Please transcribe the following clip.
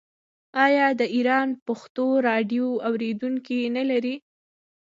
آیا د ایران پښتو راډیو اوریدونکي نلري؟